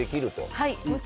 はい。